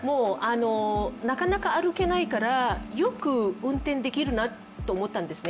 なかなか歩けないからよく運転できるなって思ったんですね。